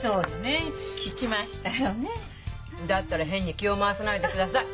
だったら変に気を回さないでください。